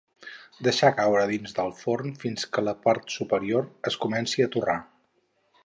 Deixar coure dins del forn fins que la part superior es comenci a torrar.